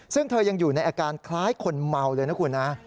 ซึ่งเธอยังอยู่ในอาการคล้ายคนเมาเลยนะคุณนะ